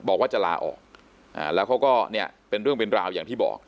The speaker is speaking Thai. บอกว่าจะลาออกแล้วเขาก็เนี่ยเป็นเรื่องเป็นราวอย่างที่บอก